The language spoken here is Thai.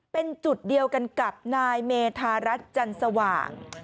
เป็นจุดเดียวกันกับนายเมธารัฐจันสว่าง